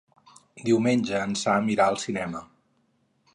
Diumenge en Sam irà al cinema.